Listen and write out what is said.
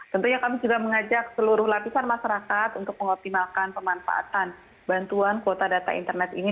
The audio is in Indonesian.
tentunya kami juga mengajak seluruh lapisan masyarakat untuk mengoptimalkan pemanfaatan bantuan kuota data internet ini